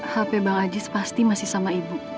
hp bang ajis pasti masih sama ibu